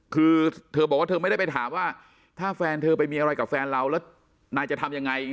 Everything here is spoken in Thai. คือเธอบอกว่าเธอไม่ได้ไปถามว่าถ้าแฟนเธอไปมีอะไรกับแฟนเราแล้วนายจะทำยังไง